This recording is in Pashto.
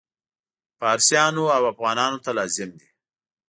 فارسیانو او افغانانو ته لازم دي.